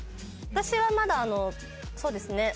私はまだそうですね